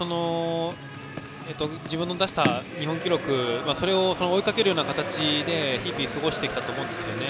自分の出した日本記録を追いかけるような気持ちで日々を過ごしてきたと思うんですね。